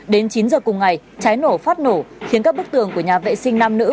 đến chín giờ cùng ngày trái nổ phát nổ khiến các bức tường của nhà vệ sinh nam nữ